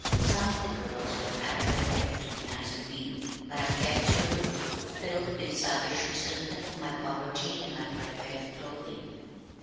Some of the girls went out of their way to be nice to me, but I kept aloof, filled with a savage resentment of my poverty and my threadbare clothing.